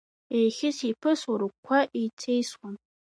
Еихьысеиԥысуа рыгәқәа еицеисуан.